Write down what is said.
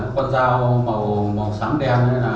con dao màu sáng đen